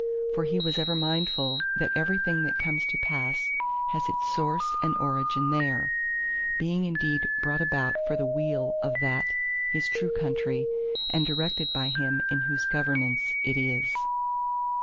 For he was ever mindful that everything that comes to pass has its source and origin there; being indeed brought about for the weal of that his true Country, and directed by Him in whose governance it is.